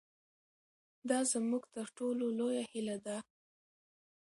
دا زموږ تر ټولو لویه هیله ده.